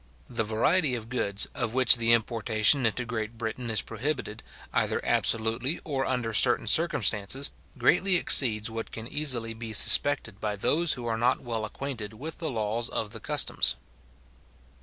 The variety of goods, of which the importation into Great Britain is prohibited, either absolutely, or under certain circumstances, greatly exceeds what can easily be suspected by those who are not well acquainted with the laws of the customs.